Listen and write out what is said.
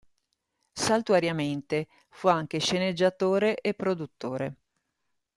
Saltuariamente, fu anche sceneggiatore e produttore.